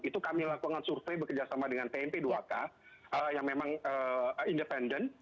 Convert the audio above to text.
itu kami lakukan survei bekerjasama dengan tmp dua k yang memang independen